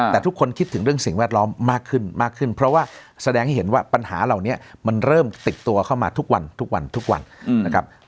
แต่ทุกคนคิดถึงเรื่องสิ่งแวดล้อมมากขึ้นมากขึ้นเพราะว่าแสดงให้เห็นว่าปัญหาเหล่านี้มันเริ่มติดตัวเข้ามาทุกวันทุกวันทุกวันทุกวันนะครับ